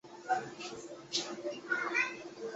十九岁时成为了一名神职人员。